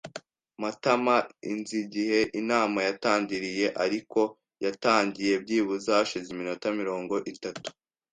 Matamainzi igihe inama yatangiriye, ariko yatangiye byibuze hashize iminota mirongo itatu.